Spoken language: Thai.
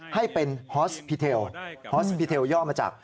ให้เป็นฮอสพีเทลฮอสพีเทลย่อมาจาก